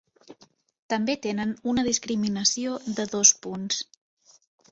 També tenen una discriminació de dos punts.